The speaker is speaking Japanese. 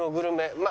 まあ